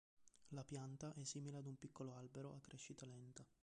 La pianta è simile ad un piccolo albero, a crescita lenta.